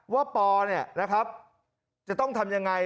ว่าปอลเนี่ยนะครับจะต้องทำยังไง